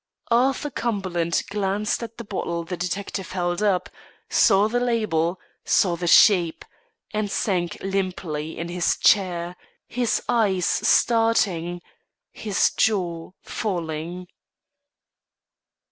Arthur Cumberland glanced at the bottle the detective held up, saw the label, saw the shape, and sank limply in his chair, his eyes starting, his jaw falling.